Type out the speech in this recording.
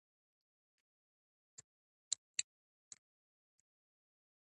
اداري بې عدالتي نارضایتي زیاتوي